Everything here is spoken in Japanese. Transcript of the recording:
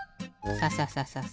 サササササ。